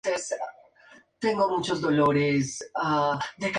Es miembro de una destacada saga de jugadores de hockey sobre hierba españoles.